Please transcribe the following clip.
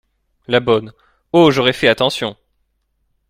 La Bonne. — Oh ! j’aurais fait attention.